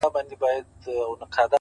د کار ارزښت په پایله نه محدودېږي؛